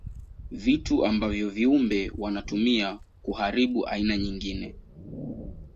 Vitu ambavyo viumbe wanatumia kuharibu aina nyingine.